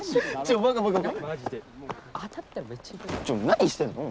何してんの？